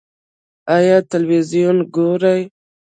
ایا تلویزیون ګورئ؟